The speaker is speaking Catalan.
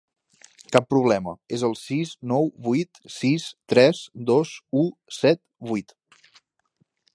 Cap problema, és el sis nou vuit sis tres dos u set vuit.